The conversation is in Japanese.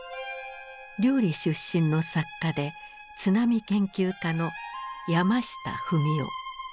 綾里出身の作家で津波研究家の山下文男。